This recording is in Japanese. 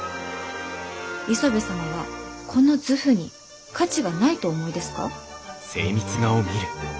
磯部様はこの図譜に価値がないとお思いですか？